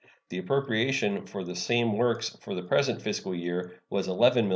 The appropriation for the same works for the present fiscal year was $11,984,518.